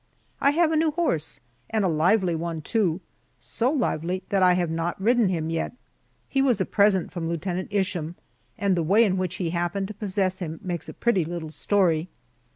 I have a new horse and a lively one, too so lively that I have not ridden him yet. He was a present from Lieutenant Isham, and the way in which he happened to possess him makes a pretty little story.